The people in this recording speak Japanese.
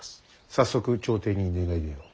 早速朝廷に願い出よう。